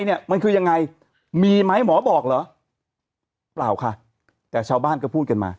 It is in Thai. เนี่ยมันคือยังไงมีไหมหมอบอกเหรอเปล่าค่ะแต่ชาวบ้านก็พูดกันมา